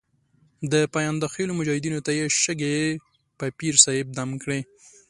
د پاینده خېلو مجاهدینو ته یې شګې په پیر صاحب دم کړې.